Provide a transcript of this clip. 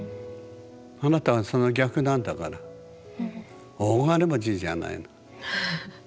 あなたはその逆なんだから大金持ちじゃないの。